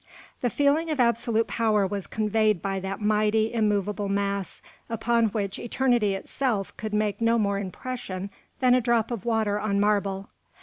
The feeling of absolute power was conveyed by that mighty, immovable mass, upon which eternity itself could make no more impression than a drop of water on marble.